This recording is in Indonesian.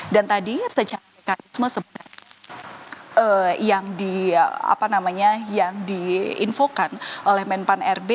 dan tadi sejak mekanisme sebenarnya yang diinfokan oleh menpan rb